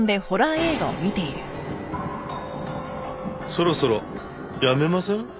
「」そろそろやめません？